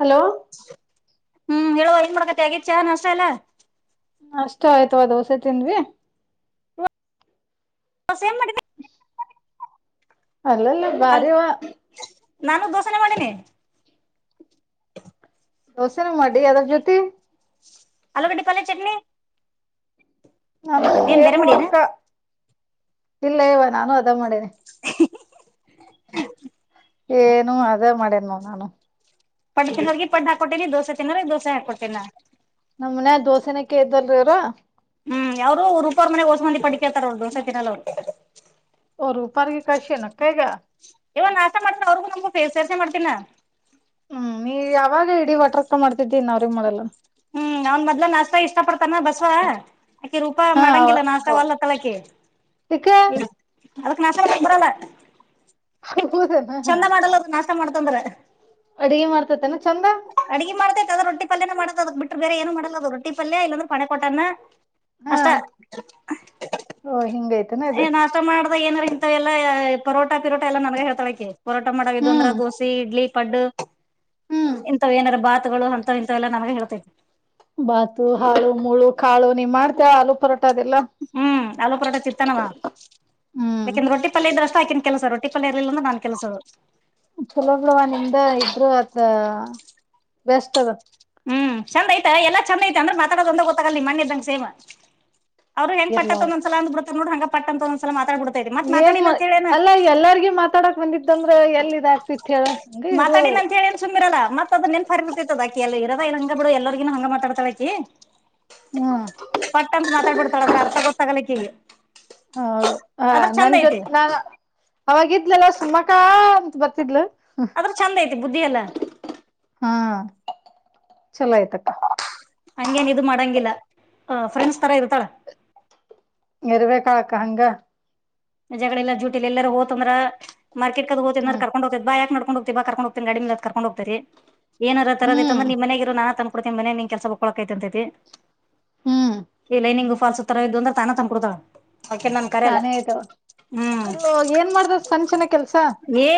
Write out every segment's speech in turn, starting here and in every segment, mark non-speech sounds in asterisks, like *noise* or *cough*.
Hello ಹ್ಮ್ ಹೇಳುವ ಏನ್ ಮಾಡ್ಕತಿ ಆಗೇ ಚಾನ್ ಅಷ್ಟ ಎಲ್ಲಾ ಅಷ್ಟು ಆಯ್ತುವಾ ದೋಸೆ ತಿಂದ್ವಿ ತಸೇ ಮಾಡ *unintelligible* ಅಲ್ಲಲ್ಲ ಅಲ್ ಭಾರವಾ ನಾನು ದೋಸನೆೆ ಮಾಡೀನಿ ದೋಸೆನ ಮಾಡಿ ಯದಾರ್ ಜ್ಯೋತಿ ಆಲೂಗೆಡ್ಡಿ ಪಲ್ಯ ಚಟ್ನಿ ನಾನು ನೀನ್ ಬೇರೆ ಮಾಡಿ ಏನು ಸೇಮಕ್ಕ ಇಲ್ಲ ಇವ ನಾನು ಅದ ಮಾಡೇನೆ ಏನು ಅದೇ ಮಾಡೇನ್ ನಾನು ಪಡ್ಡು ತಿನ್ನೋರಿಗೆ ಪಡ್ಡು ಹಾಕೋತಿನಿ ದೋಸೆ ತಿನ್ನೋ್ರ ಈ ದೋಸೆ ಹಾಕೊಡ್ತಿನಾ ನಮ್ ಮನ ದೋಸೆನೆ ಕೇಳ್ತಾರ್ ಇವ್ರು ಹ್ಮ್ ಅವ್ರು ರುಪರ್ ಮನೆಗ್ ಹೊಸ ಮಂದಿ ಪಡ್ಿಕೇಳ್ತಾರ ಅವಳು ದೋಸೆ ತಿನ್ನಲ್ಲ ರೂಪಾರಿಗೆ ಕಷ ನಕ್ಕಾಯಗ ಇವ ನಾಷ್ಟ ಮಾಡ್ತ ಅವ್ರಗುಮಗುಫೇಸ್ ಸೇರ್ಸ ಮಾಡ್ತೀನ ಹ್ಮ್ ನೀ ಯಾವಾಗ ಇಡಿ ವಟರ್ ಹ್ಮ್ ಅವ್ನ್ ಮದ್ಲು ನಾಷ್ಟತಾ ಇಷ್ಟ ಪಡ್ತಾನ ಬ ಸ್ವ ಆಕೆ ರೂಪಾ ಹಾ ಮಾಡಂಗಿಲ್ಲ ನಾಷ್ಟ ವಲ್ಲ ತಳಕಿ ಇಕ ಅದಕ್ಕೆ ನಾಸ ಕ ಬಿಡಲ್ಲ ಹೌದನ ಚಂದ ಮಾಡಲ್ಲ ಅದು ನಾಷ್ಟ ಮಾಡ್ತಂದ್ರ ಅಡಗೆ ಮಾಡ್ತತನ ಚಂದ ಅಡ್ಗೆ ಮಾಡತತದ ರೊಟ್ಟಿ ಪಲ್ಯನ ಮಾಡದದು ಬಿಟ್ಟ್ರ ಬೇರೆ ಏನು ಮಾಡಲ್ಲ ಅದು ರೊಟ್ಟಿ ಪಲ್ಯ ಇಲ್ಲಂದ್ರೆ ಪೆ ಕೊೋಟನ ಹಾ ಅಷ್ಟ ಓ ಹಿಂಗೈತನ ಇದು ಏನುಷ್ಟ ಮಾಡ ಏಾರ ಇಂತವೆ ಎಲ್ಲಾ ಪರೋಟಾ ಪಿರೋಟ ಎಲ್ಲ ನಮ್ಗೆ ಹೇಳ್ತಳಕೆ ಪರೋಟಾ ಮಾಡಾಗದು ಅಂದ್ರೆ ಹ್ಮ್ ದೋಸೆ ಇಡ್ಲಿ ಪಡ್ಡು ಹ್ಮ್ ಇಂಥವ್ ಏನಾರ ಬಾತುಗಳು ಅಂತವ ಇಂತವ ಎಲ್ಲಾ ನನಗೆ ಹೇಳ್ತೈ ಬಾತು ಹಾಳು ಮುಳು ಕಾಳು ನೀ ಮಾಡ್ತ ಆಲೂ ಪರ ಹ್ಮ್ ಆಲ್ಲೂ ಪರಟ ಚೀರ್ತಾನವ ಹ್ಮ್ ಆಕಿನ್ ರೊಟ್ಟಿ ಪಲ್ಯ ಇದ್ರಷ್ಟು ಆಕಿನ್ ಕೆಲಸ ರೊಟ್ಟಿ ಪಲ್ಯ ಇರ್ಲಿಲ್ಲ ನಾನ್ ಕೆಲಸದು ಚಲೋಬ್ಳವ ನಿಮ್ದ ಇದ್ರು ಅದ ಬೆಸ್ಟ್ ಅದು ಹ್ಮ್ ಚಂದ ಐತ ಎಲ್ಲ ಚಂದ ಐತೆ ಅಂದ್ರೆ ಮಾತಾಡೋ ಗೊತ್ತಾಗಲಿ ಮಣ್ಣ್ ಇದ್ದಂಗ ಸೇವ್ ಅವರು ಇರ್ಲಾ ಹೆಂಗಟ್ಟಂತ ಒಂದಲ ಅಂದ ಬಿತ ನೋಡ ಹಂಗ ಪಟ್ಟ ಅಂತ ಒಂದಸಲ ಏನ್ ಮ ಅಲ್ಲಾ ಎಲ್ಲಾರ್ಗ ಮಾತಾಡಕ್ ಬಂದಿದಂದ್ರ ಎಲ್ ಇದಾಗ್ತಿತ್ ಹೇಳ ಹಂಗ ಇ ಅತಾ ಅಂತ ಹೇಳ ಸುಮ್ಮಿರಲ್ಲ ಮತ್ತ ಅದೆನ್ರಿರ್ತದ ಅ ಎಲ್ಲ ಇರದ ಇಲ್ಲ ಹಂಗ ಬಿಡು ಎಲ್ಲರಿಗೂ ಹಂಗ ಮಾತಾಡ್ತವ ಆಕಿ ಹ್ಮ್ ಪಟ್ಟಂತ ಮಾತಾಡ್ಬಿಡ್ತಾಳ ಅದರ ಅರ್ಥ ಗೊತ್ತಾಗಲ್ಲಕಿಗೆ ಹೌದು ಹ ನನ್ ಐತಿ ಜೊತೆ ನಾ ಅವಾಗಿದ್ಲೆಲ್ಲ ಸುಮ್ಮಕ ಅಂತ ಬತ್ತ ಆದದ್ರ ಚೆಂದ ಐತಿ ಬುದ್ಧಿ ಎಲ್ಲ ಹಾ ಚಲೋ ಆಯ್ತಕ್ಕ ಹಂಗೇನ್ ಇದು ಮಾಡಂಗಿಲ್ಲ ಫ್ರೆಂಡ್ಸ್ ತರಾ ಇರುತ್ತಳ ಇರರುವೆ ಕಾಳಕ್ಕ ಹಂಗ ಜಜಗಳಲ್ಲ ಜ್ಯೂಟಿಲ್ಲಿ ಎಲ್ಲರ ಹೋತ್ ಅಂದ್ರ ಮಾರ್ಕೆಟ್ ಕದ ಹೋ ಅ್ರ ಹ್ಮ್ ಕಕೊಂಡೋಗತತಿ ಬಾ ಯಾಕ್ ಮಾಡ್ ೊಂಡ ಹ್ತಾ ಕರ್ಕೊಂಡ ಹೋಗ್ೀ ಗಡಿ ಮ ಕರ್ಕೊಂಡ ಹೋಗತೀರಿ ಏಾರ ತರದ್ರ ಹ್ಮ್ ನಿಮ್ಮ ಮನೆಗಿರು ನಾನ ತಕ ನಿ ಮನೆಗಿ ನೀ ಕೆಲಸ ಹಳಕ್ಂತೈತಿ ಹ್ಮ್ ಇಲ್ಲೈಂಗ ಫಾಲ್ಸು ತರ ಇದ್ದು ಅಂದ್ರ ತಾನ ತಂದಕೊತಳ ಆಕಿ ನನ್ ಕರೆಲ್ಲ ಶಾನೆ ಆಯ್ತವ ಅದು ಏನ್ ಮಾಡ್ದ ಸಂಚನ ಕೆಲ್ಸ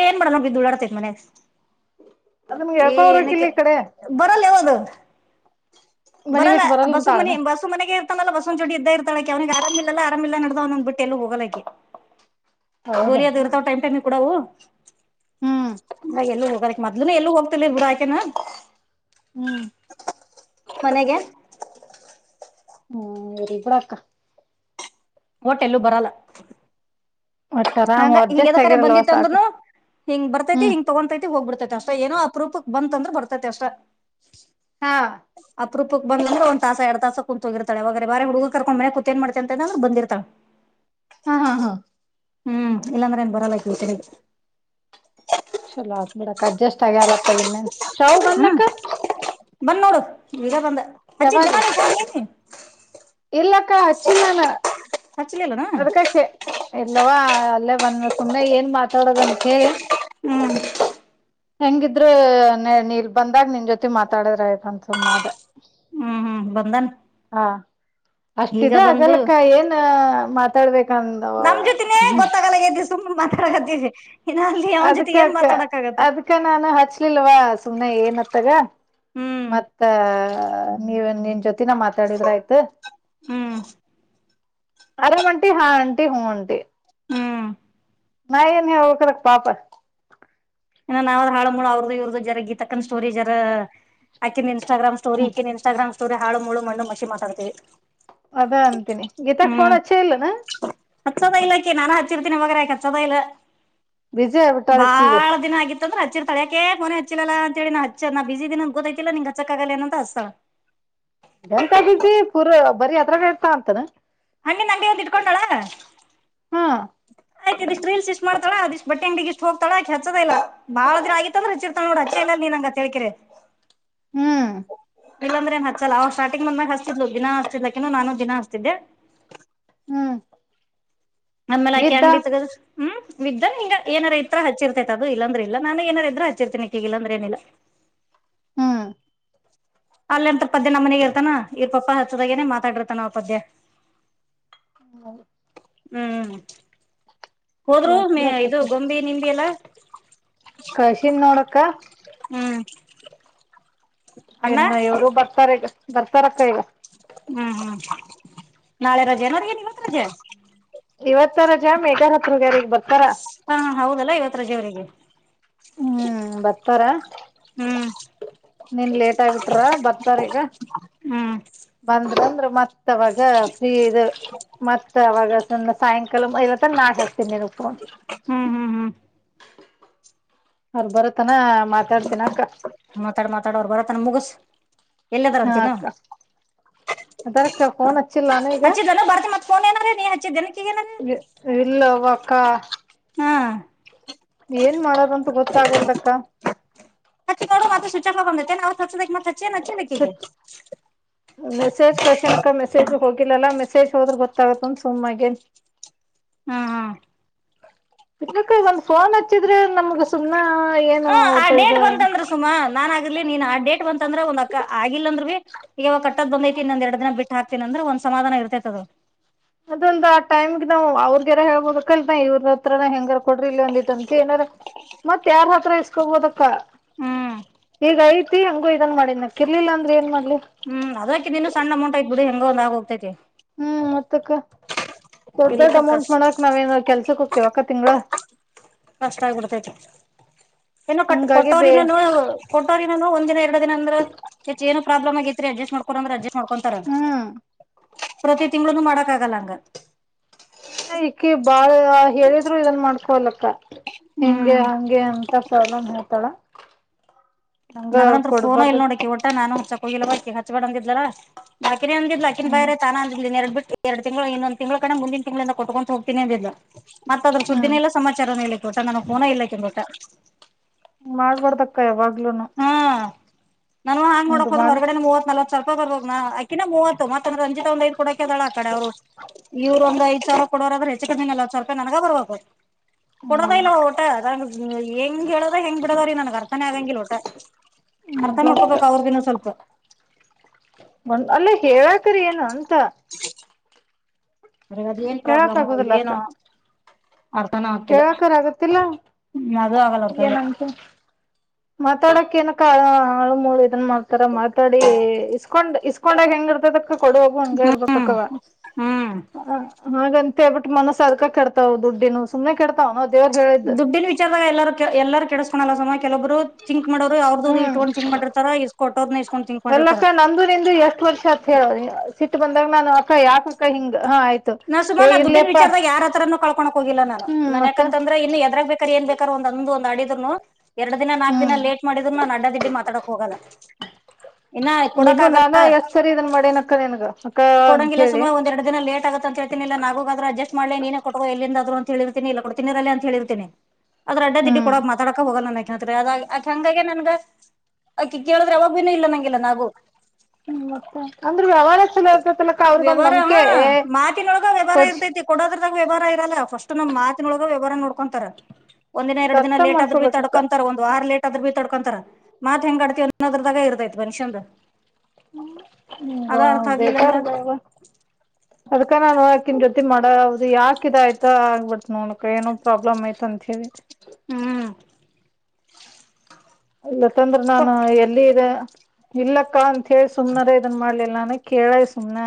ಏನ್ ಮಾಡೋಣ ಬಿದ್ದು ದುಳ್ಳಾಡ್ತಿನ್ ಮನಿಯಾಗ ಅದ ನಮ್ಗೆ ಎಳ್ಕೊ ಬರಕಿಲ್ಲ ಏನಕ್ಕೆ ಈ ಕಡೆ ಬರಲ್ ಯಾವದು ಮನಿ ಬರಲ್ಲ ಬಿಟ್ಟು ಅಂತ ಬಸುಮನಿ ಅಣ್ಣ ಬಸುಮನೆಗೆ ತಲ್ಲ ಬಸವ ಜೋಡಿ ಇದ್ದ ಇರ್ತಳಕಿ ಅವನಿಗೆ ಆರಾಮಿಲ್ಲಲ್ಲರಿಲ್ಲ ನಡ್ದ್ಂದ್ ಬಿಟ್ಟ ಎ ಹೋಗಲಾಕಿ ಹೌದಾ ಗೋಲಿಿಯ ಅದು ಇರ್ತಾವ ಟೈಮ್ ಟೈಮ್ಗೆ ಕೂಡವು ಹ್ಮ್ ನ ಎಲ್ಲೂ ಹೋಗಕ್ಕೆ ಮೊದ್ಲುನ ಎಲ್ಲೂ ಹೋಗ್ತಲ್ ಬುಡು ಯಾಕೆನಾ ಹ್ಮ್ ಮನೆಗೆ ಹ್ಮ್ ರಿ ಪಡಾಕ ಹೋಟೆಲ್ಲೂ ಬರಲ್ಲ ಒಟ್ಟ ಆರಾಮ್ ಹಂಗ ಅಡ್ಜಸ್ಟ್ ಹಿಗದ ಕರೆ ಆಗಿರಲ್ವ ಬಂದಿತ್ತು ಸಾಕು ಅಂದ್ನು ಹಿಂಗ ಬರ್ತೈತಿ ಹ್ಮ್ ಹಿಂಗ ತಗೊತೈತಿ ಹೋಗ್ಬಿಡ್ತೈತಿ ದಷ್ಟ ಏನೋ ಆಪ್ರೂಪಕ್ ಬಂತ್ ಅಂದ್ರೆ ಬರ್ತೈತೆ ಅಷ್ಟ ಹಾ ಅಪ್ರುಪಕ್ ಬಂದ್ಲ ಒಂದ ತಾಸ ಎರಡು ತಾಸ ಕುೂುೋಗಿತಾಳೆ ಬಾರೆ ಹುಡುಗ ಕರ್ಕೊಂಡ ಮನೆ ಕೂತಏನ್ ಮಾಡತ ಅಂತಂದ ಬಂದಿರ್ತ್ತಾಳೆ ಹಾ ಹಾ ಹ್ಮ್ ಇಲ್ಲಾಂದ್ರೆ ಏನ್ ಬರಲ್ಲ *unintelligible* ಚಲೋ ಆಗ್ಬಿಡಕ್ ಅಡ್ಜಸ್ಟ್ ಆಗಿ *unintelligible* ಶಾವ ಬನ್ನಕ್ಕ ವ *unintelligible* ಗ ಬಂದ ಅಜ್ಜಿ *unintelligible* ಇಲ್ಲಕ್ಕ ಹಚ್ಚಿಲ್ಲಾನ ಹಚ್ಲಿಲ್ಲನ ಅದ್ಕಕಚ್ಚಿ ಇಲ್ಲವಾ ಅಲ್ಲೇ ಬಂದ ಸುಮ್ನೆ ಏನ್ ಮಾತಾಡದಂತ ಹೇಳಿ ಹ್ಮ್ ಹೆಂಗಿದ್ರು ನೀನಿಲ್ ಬಂದಾಗ ನಿನ್ ಜೊತೆ ಮಾತಾಡಿದ್ರ ಆಯ್ತನ್ ಸುಮ್ಮ ಆದೆ ಹ್ಮ್ ಹ್ಮ್ ಬಂದನ್ ಈಗ ಅಷ್ಟಿದೆ ಬಂದು ಆಗಲಕ್ಕ ಏನ್ ಮಾತಾಡ್ಬೇಕಂದ ನಮ್ ಜೊತಿನೇ ಗೊತ್ತಾಗಲ್ಲಾಗೈತಿ ಸುಮ್ನೆ ಮಾತಾಡಕತ್ತೀವಿ ಇನ್ನ ಅಲ್ಲಿ ಅವನ ಜೊತೆ ಏನ್ ಅದ್ಕಕ್ಕ ಮಾತಾಡಕ್ ಆಗತ್ತ ಅದ್ಕ ನಾನು ಹಚ್ಲಿಲ್ವಾ ಸುಮನೆ ಏನತ್ತ *unintelligible* ಹ್ಮ್ ಮತ್ತ ನೀವ ನಿನ್ ಜೊತೆ *unintelligible* ನ ಮಾತಾಡಿದ್ರ ಆಯ್ತು ಹ್ಮ್ ಆರಾಮಂಟಿ ಹಾ ಆಂಟಿ *unintelligible* ಟಿ ಹ್ಮ್ ನ ನೀ *unintelligible* ಕರ ಪಾಪ ಇ ನಾವ್ ಹಾಳ ಮೂಳ ಅವ್ರದು ಇವರ್ದ ಜರ ಗೀತಾಕ್ಕ ಸ್ಟೋರಿ ಜರ ಆಕಿ ನಿ ಇನ್ಟಾಗ್ರಾಮ್ ಸ್ಟೋರಿ ಹ್ಮ್ ಈಕಿನ ಇನ್ಸ್ಟಾಗ್ರಾಮ್ ಸೋರಿ ಹಾಳು ಮುಳು ಮಣ್ಣು ಮಸಿ ಮಾತಾಡ್ತಿವಿ ಅದ ಅಂತೀನಿ ಗೀತಾಕ್ ಫೋನ್ ಹ್ಮ್ ಹಚ್ಚೇ ಇಲ್ಲನ ಹತ್ತುದ ಇಲ್ಲಕ್ಕ ನಾನ *unintelligible* ಬ್ಯುಸಿಯಾಗ್ಬಿಟ್ಟಲ್ ಕೀ ಗೆ ಆಗಿತ್ತು ಅಂದ್ರ ಹಚ್ಚಿರ್ತಳ ಯಾಕೆ ಫೋನೆ ಹಚ್ಚಿಲ್ಲಲ್ಲ ಅಂತಿ ನಾ ಹಚ್ಚ ನ ಬಿಸಿದ ಇದಿನ್ ಅಂತ ಗೊತ್ತಾಗ್ತಿಲ್ಲ ಹಚ್ಚಕ್ಕಾಗಲ್ಲ ಅಂತ ಅಚ್ಥಳ ಎಂಥ ಬ್ಯುಸಿ ಪೂರ ಬರಿ ಅದ್ರಲ್ಲೆ ಇರ್ತಾಳಂತೇನು ಹಂಗಿ ನಂಗೆ ಒಂದ್ ಇಟ್ಕೊಂಡಳ ಹಾ *unintelligible* ರೀಲ್ ಇಷ್ಟ ಮಾಡ್ತಾಳ ಅದಿಷ್ಟ ಬಟ್ಟೆಂಗಡಿಗೆ ಇಷ್ಟು ಹೋಗ್ತಾಳ ಆಕಿ ಹಚ್ಚದೇ ಇಲ್ಲ ಬಾಳ ದಿನ ಅಗಿತಂದ್ರೆ ಹಚಿರ್ಥಳ ನೋಡ *unintelligible* ನಿನ್ ಹ್ಮ್ *unintelligible* ಇಲ್ಲ ಅಂದ್ರೆನ್ ಹಚ್ಚಲ್ಲ ಸ್ಟಾರ್ಟಿಂಗ್ *unintelligible* ಲು ದಿನ ಹಚ್ತಿಡ್ಲು ಆಕಿನು ನಾನು ದಿನ ಹಚ್ತಿದ್ದೆ ಹ್ಮ್ ನಮ್ಮೇಲೆ ಆಕೆ ಬಿದ್ದ ಅಂಗಡಿ ತಗ ಹ್ಮ್ ವಿದ್ದನ್ ಈಗ ಏನಾರ ಇ ಹಚ್ಚಿರ್ತೈತ್ ಅದು ಇಲ್ಲಂದ್ರೆ ಇಲ್ಲಾ ನಾನು ಏನರ ಇದ್ರ ಹಚ್ಚಿರ್ತೇನಿ ಈಗ ಇಲ್ಲಂದ್ರೆ ಏನಿಲ್ಲ ಹ್ಮ್ ಅಲ್ಲೆಂತ ಪದ್ಯ ನಮ್ಮ ಮನೆಗ ಇರ್ತಾನ ಇವ್ರ ಪಪ್ಪ ಹಚ್ಚದಾಗೇನೆ ಮಾತಾಡಿರ್ತಾನ ಆ ಪದ್ಯ *inaudible* ಹ್ಮ್ ಹೋದ್ರು ಲಕ್ *unintelligible* ಇದು ಗೊಂಬಿ ನಿಂಬಿ ಎಲ್ಲ ಕಲ್ಸಿನಿ ನೋಡಕ್ಕ ಹ್ಮ್ ಅಣ್ಣ ಇನ್ನ ಇವರು ಬರ್ತಾರೆ ಈಗ ಬರ್ತಾರಕ್ಕ ಈಗ ಹ್ಮ್ ಹ್ಮ್ ನಾಳೆ ರಜೆ ನ ಅವ್ರಿಗೆ ಇವತ್ ರಜೆ ಇವತ್ತ ರಜಾ *unintelligible* ಹತ್ರರುಗ್ಯಾರಿಗೆ ಹಾ ಹೌದಲ್ಲ ಇವತ್ರಜೆವರಿಗೆ ಹ್ಮ್ ಬರ್ತಾರ ಹ್ಮ್ ನೀನ್ ಲೇಟ್ ಆಗ್ಬಟ್ರ ಬರ್ತಾರ ಈಗ ಹ್ಮ್ ಬಂದ್ರಂದ್ರ ಮತ್ತವಾಗ ಫ್ರೀ ಇದು ಮತ್ತ ಅವವಾಗ ಸಾಯಂಕಾಲ ನಾಳೆ ಹಚ್ತಿನಿ ಇರ ಪೋನ್ ಹ್ಮ್ ಹ್ಮ್ ಹ್ಮ್ ಅವ್ರ ಬರು ತ್ತನ ಮಾತಾಡ್ತಿನಿ ಅಕ್ಕ ಮುಗುಸು ಹಾ ಅಕ್ಕ ಅದಕ್ಕ ಫೋನ್ ಅಚ್ಚಿಲ್ಲ ಈಗ ಏ ಹಚ್ಚಿದೇನಿ ಇಲ್ಲವಕ್ಕ ಹಾ ಏನ್ ಮಾಡದಂತ ಗೊತ್ತಾಗಲ್ದಕ್ಕ ಹಚ್ಚಿ ನೋಡು ಸ್ವಿಚ್ ಆಫ್ *unintelligible* ಅವತ್ ಅಚ್ಬೇಕು ಮತ್ತೆ ಸ, ಮೆಸೇಜ್ ಕಳಿಸಾನಕ್ಕ ಮೆಸೇಜ್ ಹೋಗಿಲ್ಲಲ್ಲ. ಮ ವಿಶೇಷ ಹೋದ್ರ ಗೊತ್ತಾಗತ್ತಂದು ಸುಮ್ಮಾಗಿನಿ. ಹ್ಮ, ಹಾ,, ಒಂದ್ ಫೋನ್ ಹಚ್ಚಿದ್ರೆ ನಮ್ಗ ಸುಮ್ನೆ ಹ, ಆ ಡೇಟ್ ಬಂತಂದ್ರೆ ಸುಮಾ ನಾನ್ ಆಗಿರ್ಲಿ ನೀನ್ ಆಗ್ ಡೇಟ್ ಬಂತಂದ್ರ, ಒಂದ್ ಅಕ್ಕ ಆಗಿಲ್ಲ ಅಂದ್ರ ಭೀ- ಈವಾಗ ಕಟ್ಟದ ಬಂದೈತಿನನ್ ಒಂದ ಎರಡ್ ದಿನ ಬಿಟ್ಟ ಹಾಕ್ತಿನಿ ಅಂದ್ರೆ ಒಂದ ಸಮಾಧಾನ ಇರ್ತೈತದು. ಅದೊಂದ ಆ ಟೈಮ್ಗೆ ನಾವು ಅವ್ರಗ್ಯಾರ ಹೇಳೋಕಬೇಕ. ಇವ್ರ ಹತ್ರನ ಹೆಂಗಾರ ಕೊಡ್ರಿ ಇಲ್ಲಿ ಒಂದಿ ಅಂತ ಏನಾರ ಮತ್ತ ಯಾರ್ ಹತ್ರ ಇಸ್ಕೊಬೋದಕ್ಕ. ಹ್ಮ್ ಈಗ ಐತಿ ಹಂಗೂ ಇದನ್ ಮಾಡಿನ್ ಇರ್ಲಿಲ್ಲ ಅಂದ್ರೆ ಏನ್ ಮಾಡ್ ಹ್ಮ್, ಅದಕಿದು ಇನ್ನು ಸಣ್ಣ ಅಮೌಂಟ್ ಐತಿ ಬಿಡಿ ಹೆಂಗ ಒಂದ ಆಗೋಗತೈತಿ. ಹ್ಮ್, ಮತ್ತಕ್ಕ. - ದೊಡ್- ದೊಡ್ ಇರ್ಲಿಕ್ಕರ್ ಅಮೌಂಟ್ ಕಷ್ಟ ಮಾಡಾಕ್ ನಾವ್ಏನ ಕೆಲ್ಸಕ್ ಹೋಗತೇವಕ್ಕ ತಿಂಗಳ. ಕಷ್ಟ ಆಗ್ಬಿಡ್ತೈತೆ. ಏನೋ ಹಂಗಾಗಿ ಕೊಟ್ಟವ್ರ ಬೇ ಇಲ್ಲನು ಕೊ ಒಂದ ದಿನ ಎರಡ ದಿನ ಅಂದ್ರಏನ ಪ್ರಾಬ್ಲಮ ಆಗೈತ್ರಿ ಅಡ್ಜಸ್ ಮಾಡ- ಕೊಂಡಂದ, ಅಡ್ಜಸ್ಟ್ ಮಾಡೋಕೊಂತಾರಂಗ ಹ್ಮ್ ಪ್ರತಿ ತಿಂಗಳನು ಮಾಡಕ್ ಆಗಲ್ಲ ಅಕ್ಕಾ. ಹ ಇಕಿ ಬಾಳ ಹೇಳಿದ್ರು ಇದನ್ ಮಾಡ್ಕೊಲಕ್ಕ ಹೆಂಗೆ, ಹಂಗೆ ಅಂತ ತಸಲ್ಲ ಮತಳ *unintelligible* ನನಗಂತ್ರ ಫೋನ ಇಲ್ ನೋಡಕೆ ವಟ ನಾನು ಚ ಹೋಗಿಲ್ಲ ವ ಹಚ್ಚಬೇಡಿ ಅಂದಿದ್ಲಾ ಅಕಿನೇ ಅಂದ್ಲಾಕಿ ಹ್ಮ್ ಬಾಯರೆ. ತಾನ ಅಂದ ಎರಡು ಬಿಟ್ಟ ಎರಡು ತಿಂಗಳು ಇನ್ನೊಂದ ತಿಂಗಳ ಕಡೆ ಮುಂದಿನ ತಿಂಗಳಿಂದ ಕೊಟಗೊಂತ ಹೋಗ್ತೀನಿ ಅದ್ದ್ಂದ್ಲು. ಮತ್ತ ಅದ್ರ ಹ್ಮ್ ಸುದ್ದಿನ ಇಲ್ಲ ಸಮಾಚಾರನ ಇಕ್ಕೆ ತೋಟ *unintelligible* ನನಗ್ ಪೋನೆ ಇಲ್ಲ ವಟ್ಟ. ಮಾಡ್ಬಾರ್ದಕ್ಕ ಯಾವಾಗ್ಲೂನು. ನಾನುವ ಹಂಗ ಹಿಂಗ ನೋಡಕ್ ಹದ ಮಾಡಿ ಹೊರಗಡೆ ಮೂವತ್ ನಲ್ವತಸಾವಿ ರಲ್ಪ ಬರ್ಬೇಕ. ನ ಅಕಿನ ಮೂವತ್ತುರಂಜಿತಂದ- ಳ ಆ ಕಡೆ ಅವ್ರು ಇವರು ಒಂದ ಐದಸಾವಿರ ಕೊಡೋರಾದ್ರೆ, ಹೆಚ್ಚು ಕಮಿನಲ್ಲಿ ಹತ್ತು ಸಾವಿರ ರೂಪಾಯಿ ನನಗ ಬರ್ಬೇಕು. ಕೊಡೋದ ಹ್ಮ್ ಇಲ್ವಟ. ನಂಗ ಹೆಂಗ ಹೇಳದ ಹೆಂಗ ಬಿಡದ ಅವ್ರೀಗ ನನ್ಗ್ ಅರ್ಥನೇ ಆಗಂಗಿಲ್ ಒಟ. ಅರ್ಥ ಮಾಡ್ಕೊಬೇಕು ಅವ್ರಗಿನ ಸ್ವಲ್ಪ ಒಂದ ಅಲ್ಲ ಹೇಳಾಕರಿ ಏನು ಅಂತ. ಮನೆಗದ್ ಏನ್ ಹೇಳಕ್ ಪ್ರಾಬ್ಲಮು ಆಗುದಿಲ್ಲ ಅಕ್ಕ ಏನು ಹೇಳಕರ್ ಆಗತ್ತಿಲ್ಲ ಅದು ಆಗಲ್ಲ ಅವ್ರ ಕೈಲೆ ಏನಂತ ಮಾತಾಡಕ್ ಏನಕ್ಕ ಹಾಳು ಮೂಳ. ನ್ ಮಾಡ್ತಾರ ಮಾತಾಡಿ ಇಸ್ಕೊಂಡ್, ಇಸ್ಕೊಂಡಾಗ ಹೆಂಗ ಇರ್ತದಕ್ಕ ಕೊಡುವಾಗ ಹಂಗ ಹ್ಮ್ ಇರ್ಬೇಕ್ಕವ. ಹ್ಮ್ ಹ ಹಾಗಂತೇ ಬಿಟ್ ಮನಸ್ಸ ಅದಕ ಕೆಡತಾವ್ ದುಡ್ಡಿನ ಸುಮ್ಮ್ನೆ ಕೆಡತಾವ್, ದುಡ್ಡಿನ ವಿಚಾರದಾಗ ಎಲ್ಲಾರೂ- ಎಲ್ಲಾರೂ ಕೆಡಿಸಕೋಲ್ಲ ಸುಮಾ. ಕೆಲೊಬರು- ತಿಂಕ್ ಮಾಡೋರು ಅವ್ದ್ರು ಇಟ್ಕೊಂಡ್ ತಿಂಕ್ ಮಾಡಿರ್ತಾರ. ಇಷ್ ಕೊಟ್ಟೋರ್- ಅಲ್ಲಕ್ಕ ನಂದು ನಿಂದು ಎಷ್ಟ್ ವರ್ಷ ಅತ್ ಹೇಳ ಸಿಟ್ಟ ಬಂದಾಗ ನಾನು ಯಕ ಹಿಂಗ ಹಾಯ *unintelligible* ನೋಡ ಸುಮಾನಾ ದುಡ್ಡಿನ ವಿಚಾರದ ಯಾರತ್ರರೂ ಕಳ್ಕಕ್ ಹೋಗಿಲ್ಲ. ನಾನು ಹ್ಮ್ ನಾನ ಯಾಕ ಮತ್ತ ಅಂದ್ರೆ ಇನ್ನು ಎದ್ರಾಗ ಬೇಕರ್ ಏನ್ ಬೇಕಾರ ಒಂದು ಒಂದ್ ಆಡಿದ್ರುನು. ಎರಡು ದಿನ ನಾಕ್ ದಿನ ಹ್ಮ್ ಲೇಟ್ ಮಾಡಿದ್ರುನು ನಾನ್ ಅಡ್ಡ -ದಿಡ್ಡಿ ಮಾತಾಡಕ್ ಹೋಗಲ್ಲ. ಇನ್ನ ಕೊಡಕ್ ನೀನು ಆಗಲ್ಲ ನಾನ ಎಷ್ಟ ಸರಿ ಇದನ್ ಮಾಡ್ತೇನೆ ಅಕ್ಕ ನಿನ್ಗಅಕ್ಕ ಅಂತ ಹೇಳಿ. ಲೇಟ್ಗುತ್ತ ಅಂತೇತನಿಲ್ಲ ನಾಗು ಆದ್ರ ಅಡ್ಜಸ್ಟ್ ಮಾಡಲಿ ನೀನೇ ಕೊಟ್ಟರು ಎಲ್ಲಿಂದ ಅ್ರ ಹ ಹೇಳಿರ್ತನಿ. ಇಲ್ಲ ಕೊಡ್ತನಿರಲ್ಲ ಅಂತ ಹೇಳ್ರಿತಿನಿ ಅ ಅಡ ದಿಡ್ಡಿ ಹ್ಮ್ ಕೊಡ ಮಾತಾಡಕ ಹೋಗಲ್ಲ. ನನಗೆ ತ್ ಅದ ಅ ಹಂಗಾಗಿ ನನ್ಗ ಅಕಿ ಕೇಳಿದ್ರೆ ಯವಾಗ್ ಭಿನು ಇಲ್ಲ ಅನಂಗಿಲ್ಲ ನಾಗು. ಹ್ಮ, ಮತ್ತೆ ಅಂದ್ರೆ ವ್ಯವಹಾರ ಚಲೋ ಇರ್ತತಲಕ್ಕ ಅವ್ರಿಗೊಂದ್ ವ್ಯವಹಾರ ನಂಬಿಕೆ ಹ್ಮ್, ಮಾತಿನೊಳಗ ವ್ಯವಹಾರ ಕೊಡ್ಸ್ ಇರ್ತೈತಿ ಕೊಡೋದ್ರದಾಗ ವ್ಯವಹಾರ ಇರಲ್ಲ. ಫಸ್ಟ್ ನಮ್ ಮಾತಿನೊಳಗ ವ್ಯವಹಾರ ನೋಡ್ಕೊಂತಾರೆ. ಒಂದ್ನ ಎರಡು ದಿನ ಅರ್ಥ ಲೇಟ್ ಆದರು ಬಿ ಮಾಡ್ಕೊಬೇಕಕ್ಕ ತಡ್ಕೊಂತಾರ ಒಂದ ವಾರ ಲೇಟ್- ದ್ರ ಬಿ ತಡ್ಕೊಂತಾರ ಮಾತ್ ಹೆಂಗ ಆಡ್ತಿವಿ ಅನ್ನೋದ್ರದಾಗ ಇರ್ತೈತ್ ಮನುಷ್ಯನ್ಂದು. ಹಾ ಆಗ್ಲಿಲ್ಲ ಅಂದ್ರ ಬೇೇಕಾರದವಾ ಅದ್ಕ ನಾನುಾಕನ್ *unintelligible* ಮಾಡೋದು ಯಾಕ ಇದ ಆಯ್ತಾ ಆಗ್ಬಿಟ್ ನೋಡಕ್ ಏನೋ ಪ್ರಾಬ್ಲಮ್ ಆಯ್ತ ಅಂತ ಹೇಳಿ. ಹ್ಮ್, ಇಲ್ಲ ತಂದ್ರ ಕೊ ನಾನು ಎಲ್ಲಿ ಇ ಇಲ್ಲಕ್ಕ ಅಂತ ಹೇಳಿ ಸುಮ್ನಾರ ಇದನ್ ಮಾಡ್ಲಿಲ್ಲ ನಾನು. ಕೇಳದ್ ಸುಮನ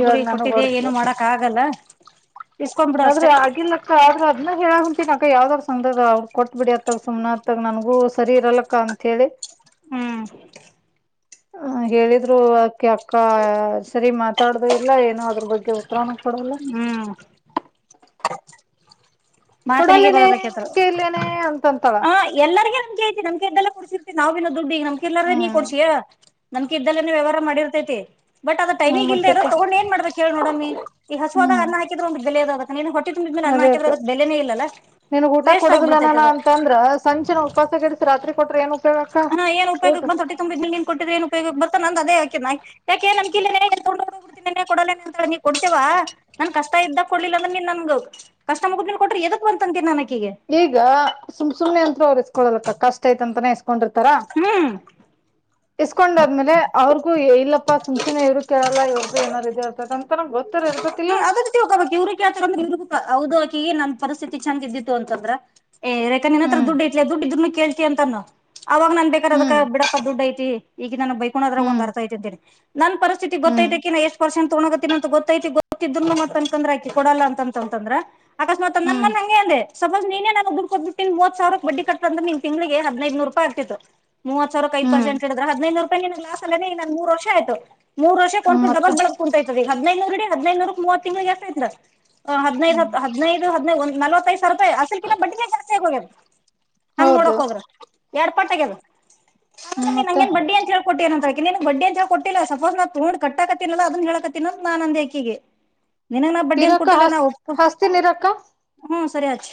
ಇವಾಗ ಗುರಿ ನನಗ್ ಕೊಟ್ಟಿದೆ ಹೊಡ್ದ್ ಗಿಡ್ದೂ ಏನು ಮಾಡಾಕ್ ಆಗಲ್ಲ ಇಸ್ಕೊಂಡ್ಬಿಡು ಆದ್ರೆ ಅಷ್ಟೇ ಆಗಿಲ್ಲಕ್ಕ ಆದ್ರೆ ಇನ್ನ ಹೇಳಂತಿ ಅಕ್ಕ ಯಾವ್ದಾರ್ ಸಂಘದಾಗ ಹುಡುಕಿ ಕೊಟ್ಬ ಬಿಡಿ ಅತ್ತಗ ಸುಮ್ನೆ ಅತ್ತ ನನಗೂ ಸರಿ ಇರಲ್ಲಕ್ಕ ಅಂತ ಹೇಳಿ ಹ್ಮ್ ಹ ಹೇಳಿದ್ರು ಆಕೆ ಅಕ್ಕ ಸರಿ ಮಾತಾಡುದು ಇಲ್ಲ ಏನೋ ಅದ್ರ ಬಗ್ಗೆ ಉತ್ತರನ್ನೂ ಕೊಡಲ್ಲ. ಹ್ಮ್ *unintelligible* ಮಾತನೆಗೆ ಕೊಡಲ್ಲೇನೆ ಬರೋದು ಆಕೆ ಹತ್ತಿರ ನಮ್ಕೆ ಇಲ್ಲೇನೆ ಅಂತಂತಾಳ ಆ ಎಲ್ಲರಿಗೂ ನಮ್ ಐತಿ ನಮ್ಕ ಎಲ್ಲಿ ಬೆಲೆ ಕೊಡ್ತಿ ನಾವಿನು ದುಡ್ಡಿ ಈಗ ನಮ್ಕಿ ಇಲ್ಲಾಂದ್ರೆ ನೀ ಹ್ಮ್ ಕೊಡ್ಸಿಯಾ ನಮ್ಕಿ ಇದ್ದೇನೆ ವ್ಯವಹಾರ ಮಾಡಿರ್ತೈತಿ ಬಟ್ ಅದ ಹ್ಮ ಟೈಮಿಗೆ ಇದೆ ಮತ್ತಕ್ಕ ಇರೋದ್ ತಗೊಂಡ ಏನ್ ಮಾಡಬೇಕ್ ಹೇಳ್ ನೋಡಮ್ಮಿ ಈ ಹಸುವದಾಗ ಹ್ಮ್ ಅನ್ನ ಹಾಕಿದ್ರೆ ಒಂದ್ ಬೆಲೆದ್ ನೀ ಹೊಟ್ಟೀ ತುಂಬಿದ್ಮೇಲೆ ಅನ್ನ‌ ಹಾಕಿದ್ರೆ ನನ್ಗ್ ಊಟ ಕೊಡದಿಲ್ಲ ನಾನು ಅದ ಅಂತ ಅಂದ್ರೆ ಸಂಜೆತನ ಉಪವಾಸ ಕೆಡಸಿ ರಾತ್ರಿ ಕೊಟ್ರೆ ಏನು ಹಾ ಏನ್ ಉಪಯೋಗ್ ಬಂತು ಹೊಟ್ಟೆ ತುಂಬಿದ್ದ್ ಮೇಲೆ ಕೊಟ್ಟಿದ ನೀನ್ ಉಪಯೋಗ ಬರ್ತದ ನನ್ದ್ ಅದೇ ಯಾಕೆ ನಂಬಿಕ್ ಇಲ್ಲೇ ಎತ್ತುಕೊಂಡು ಓಡೋಗಬಿಡ್ತೀನೆನೆ ಕೊಡಲ್ಲೆನೆ ಅಂತಳ್ ಅಮ್ಮೀ ಕೊಡ್ತೀವ ನನಗ್ ಕಷ್ಟ ಇದ್ದ ಕೊಡಲ್ಲಿಲ್ಲ ಅಮ್ಮೀ ನ್ ನನ್ಗೂ ಕಷ್ಟ ಮುಗದ್ ಮೇಲೆ ಕೊಟ್ಟರೆ ಎದಕ್ ಬಂರ್ತಂತಿ ನನಗೆ ಈಗ ಸುಮ್ ಸುಮ್ನೆ ಅಂತ್ರೂ ಇರ್ಸ್ಕೊಳಲ್ಕ್ಕ ಕಷ್ಟ ಠ ಆ ತ ಅಂತಾನೇ ಹ ಕೊಂಡಿರ್ತಾರಾ ಹ್ಮ್. ಇಸ್ಕೊಂಡಾದ್ಮೇಲೆ ಅವ್ರಿಗೂ ಇಲ್ಲಪ್ಪ ಸುಮ್ಮನೆ ಸುಮ್ಮನೆ ಇವರು ಕೇಳಲ್ಲ ಇವರದು ಏನಾದ್ರೂ ಇರ್ತೈದೆ ಅಂತನೂ ಗೊತ್ತ ಹ್ಮ ಅದಬೇಕು ಇವ್ರ್ರ ಹೌದು ಆಕಿ ಏ ನಮ್ ಪರಿಸ್ಥಿತಿ ಚಂದ್ ಇದ್ದಿತ್ತು ಅಂತಂದ್ರ ಏ ರೇಖ ನಿನ್ನ ಹತ್ರ ಹ್ಮ್ ದುಡ್ಡು ಐತಿ ದುಡ್ಡ ಇದರನ್ನು ಕೇಳ್ತಿಯ ಅಂತಾನು ಅವಾಗ ನನ್ ಬೇಕಾಂದ್ ಅದಕ್ಕ ಹ್ಮ್ ಬಿಡಪ್ಪ ದುಡ್ ಐತಿ ಈಗ ನನ್ ಬೈಕೋಣದಾಗ ಒಂದ್ ಹ್ಮ್ ಅರ್ಥ ಐತಂತೇನ್ ಹೇಳಿ ಹ್ಮ್ ನನ್ ಎಷ್ಟ ಪರ್ಸೆಂಟ್ ತಗಣಕತಿಂತ ಗೊತ್ತೈತಿ ಗೊತ್ತಿದ್ನು ಮತ್ತಂತಂದ್ರೆ ಆಕಿ ಕೊಡಲ್ಲ ಅಂತ ಅಂತಂದ್ರೆ ಅಕಸ್ಮಾತ್ ನಾನ್ ಹ್ಮ್ ಮೊನೆ ಅಂಗೆ ಅಂದೆ ಹಂಗೆ ಅ ಸಪೋಸ್ ನೀನೇ ದುಡ್ಡು ಕೊಟ್ಟಳ ಮೂವತ್ತು ಸಾವಿರ ಬಡ್ಡಿ ಕಟ್ಟ್ರ ನಿನ್ ತಿಂಗಳಿಗೆ ಹದಿನೈದುರು ರೂಪಾಯಿ ಆಗ್ತಿತ್ತು ಮೂವತ್ ಸಾವಿರ ಐದ್ ಹ್ಮ್ ಪಸೆಂಟ್ ಇಡ್ರೂ ಹದಿನೈದು ರೂಪಾಯಿ ನಿನಗೆ ಲಾಸ್ ಅಲ್ಲೇನೆ ಈ ಮೂರ್ ವರ್ಷ ಆಯ್ತು ಮೂರ್ ವರ್ಷ ಹ್ಮ್ ಕೊಂಡ ಮತ್ತ ಡಬಕ್ಳಕ್ ಕುಂತೈತದ ಈ ಹದಿನೈನೂರಡಿ ಹದಿನೈನೂರು ಮೂವತ್ತು ತಿಂಳಗಳ್ದು ಎಷ್ಟಾಯಿತ್ತ್ ಹದಿನೈದು ಹದಿನೈದುದಿನೈ ಒಂದ್ ನಲ್ವೈದ್ ಸಾವಿರ ರೂಪಾಯಿ ಅಸಲ್ ಕಿನ ಬಡ್ಡಿನೆ ಜಾಸ್ತಿ ಆಗೋಗೈತೆ ಹಂಗ್ ಹೌದು ನೋಡಕ್ ಹೋದ್ರೆ ಎರಡ್ ಪಟ್ಟ್ ಆಗದೆ ಹ್ಮ್ ಮತ್ತ ನನಗೆ ಬಡ್ಡಿ ಅಂತ ಹೇಳ್ ಕೊಟ್ಟೆ ಬಡ್ಡಿ ಅಂತ ಕೊಟ್ಟಿಲ್ಲ ಸಪೋಸ್ ನಾ ತೋಗೊಂಡ ಕಟ್ಟಕತ್ತಿಲ್ಲ ಅದನ್ ಹೇಳಕತ್ತೀನಿ ಅಂತ ನನ್ ಅಂದಿ ಆಕ್ ಕಿಗೆ ನಿನಗ್ ನಾ ಬಡ್ಡಿ ಅಂತ ಇರಕ್ಕ ಕೊಟ್ಟಿಲ್ಲ ನಾ ಹಸ್ ಒಪ್ಕೋ ಹಸ್ತಿನಿರಕ್ಕ ಹೊ ತುರಾಜ್